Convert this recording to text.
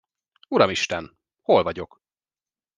Uramisten, hol vagyok?